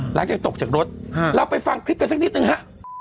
หลังจากตกจากรถเราไปฟังคลิปกันสักนิดนึงฮะ